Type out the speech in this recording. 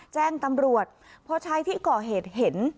แจ้งตำรวจพอชายที่ก่อเหตุเห็น